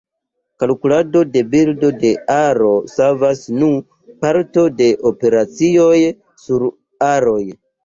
Kalkulado de bildo de aro savas nu parto de operacioj sur aroj.